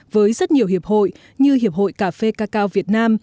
với rất nhiều hiệp hội như hiệp hội cà phê cà cao việt nam